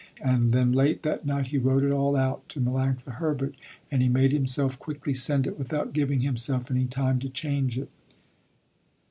And then late that night he wrote it all out to Melanctha Herbert, and he made himself quickly send it without giving himself any time to change it.